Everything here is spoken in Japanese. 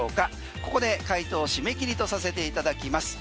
ここで解答締め切りとさせていただきます。